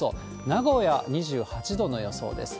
名古屋２８度の予想です。